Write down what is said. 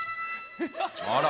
あら！